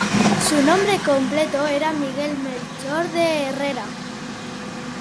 Su nombre completo era Miguel Melchor de Herrera.